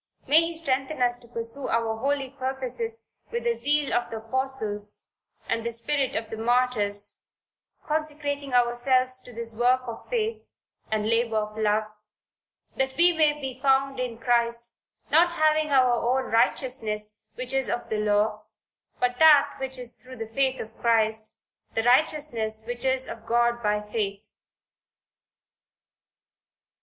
May he strengthen us to pursue our holy purposes with the zeal of the Apostles and the spirit of the Martyrs, consecrating ourselves to this work of faith, and labor of love, "that we may be found in Christ, not having our own righteousness which is of the law, but that which is through the faith of Christ the righteousness which is of God by Faith."